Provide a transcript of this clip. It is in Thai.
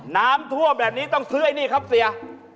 น้ำท่วมแบบนี้ต้องซื้อไอ้นี่ครับเสีย